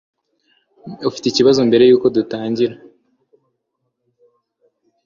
ufite ikibazo mbere yuko dutangira